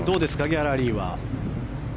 ギャラリーは。